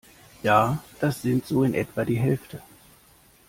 Ja, das sind so in etwa die Hälfte.